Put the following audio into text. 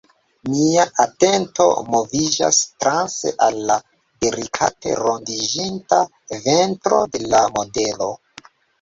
Mia atento moviĝas transe al la delikate rondiĝinta ventro de la modelo.